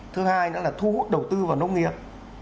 thứ hai nữa là thu hút đầu tư vào nông nghiệp